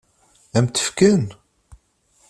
Ad m-t-fken?